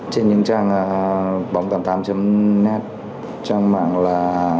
trên những trang bóng tám mươi tám net trang mạng là